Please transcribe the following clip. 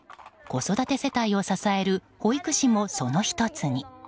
子育て世帯を支える保育士もその１つに。